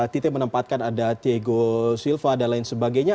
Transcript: tite menempatkan ada tiego silva dan lain sebagainya